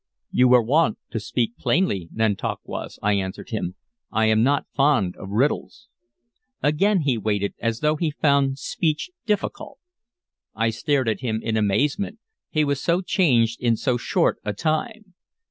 "You were wont to speak plainly, Nantauquas," I answered him. "I am not fond of riddles." Again he waited, as though he found speech difficult. I stared at him in amazement, he was so changed in so short a time.